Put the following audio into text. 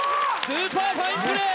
スーパーファインプレー！